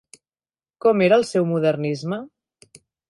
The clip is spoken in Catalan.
Com era el seu modernisme?